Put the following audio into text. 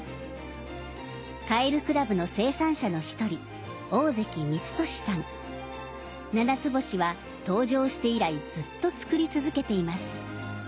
カエル倶楽部の生産者の１人ななつぼしは登場して以来ずっと作り続けています。